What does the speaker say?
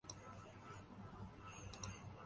نہ کوئی ضابطہ ہے۔